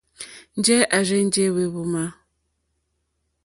Njɛ̂ à rzênjé èhwùmá.